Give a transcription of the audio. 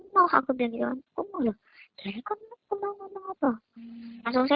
pengen tau jerman ya